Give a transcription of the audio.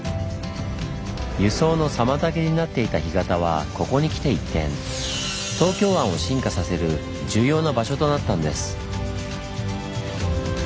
輸送の妨げになっていた干潟はここにきて一転東京湾を進化させる重要な場所となったんです。